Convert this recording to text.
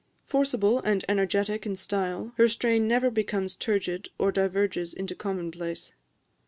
Forcible and energetic in style, her strain never becomes turgid or diverges into commonplace.